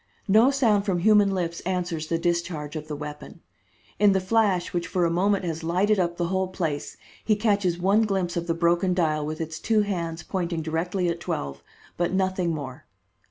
No sound from human lips answers the discharge of the weapon. In the flash which for a moment has lighted up the whole place, he catches one glimpse of the broken dial with its two hands pointing directly at twelve, but nothing more.